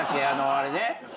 あれね。